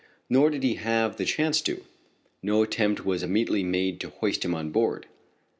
Nor did he have the chance to. No attempt was immediately made to hoist him on board.